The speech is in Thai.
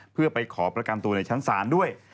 เพื่อไปขอประกันตัวในชั้นศาลด้วย